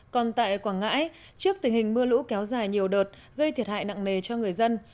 còn tại quảng ngãi trước tình hình mưa lũ kéo dài nhiều đợt gây thiệt hại nặng nề cho người dân